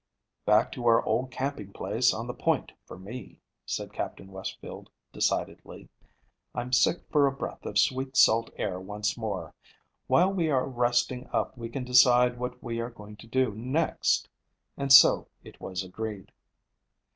"Back to our old camping place on the point for me," said Captain Westfield decidedly. "I'm sick for a breath of sweet, salt air once more. While we are resting up we can decide what we are going to do next." And so it was agreed.